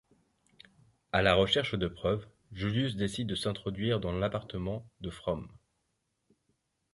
À la recherche de preuves, Julius décide de s’introduire dans l’appartement de Fromm…